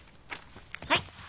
はい。